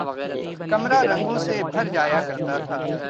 کمرا رنگوں سے بھر جایا کرتا تھا